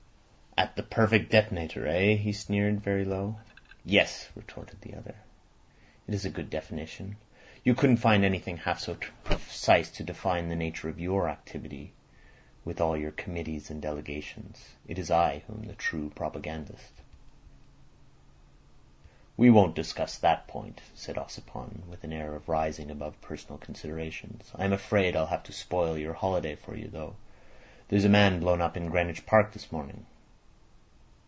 "At the perfect detonator—eh?" he sneered, very low. "Yes," retorted the other. "It is a good definition. You couldn't find anything half so precise to define the nature of your activity with all your committees and delegations. It is I who am the true propagandist." "We won't discuss that point," said Ossipon, with an air of rising above personal considerations. "I am afraid I'll have to spoil your holiday for you, though. There's a man blown up in Greenwich Park this morning."